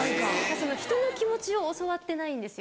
人の気持ちを教わってないんですよ。